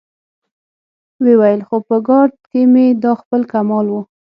ويې ويل: خو په ګارد کې مې دا خپل کمال و.